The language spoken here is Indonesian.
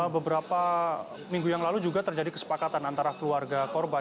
beberapa minggu yang lalu juga terjadi kesepakatan antara keluarga korban